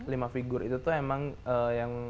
lima figur itu tuh emang yang